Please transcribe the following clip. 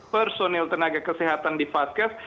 personil tenaga kesehatan di faskes